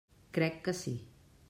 Crec que sí.